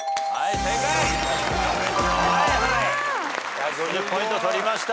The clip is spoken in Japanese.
１５０ポイント取りました。